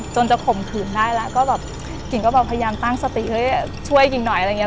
จะข่มขืนได้แล้วก็แบบกิ่งก็แบบพยายามตั้งสติเฮ้ยช่วยกิ่งหน่อยอะไรอย่างนี้